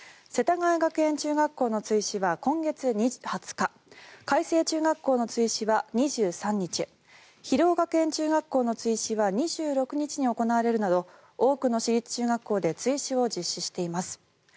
世田谷学園中学校の追試は今月２０日開成中学校の追試は２３日広尾学園中学校の追試は２６日に行われるなど多くの私立中学校で追試を実施しています。